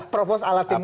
provos ala tim kampanye